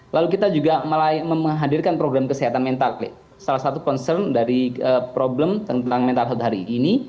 lalu kita juga menghadirkan program kesehatan mental salah satu concern dari problem tentang mental health hari ini